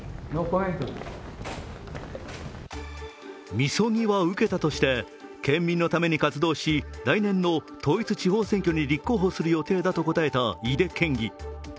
みそぎは受けたとして県民のために活動し来年の統一地方選挙に立候補する予定だと答えた井手県議。